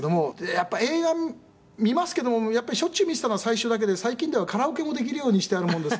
「やっぱり映画見ますけどもしょっちゅう見ていたのは最初だけで最近ではカラオケもできるようにしてあるもんですから」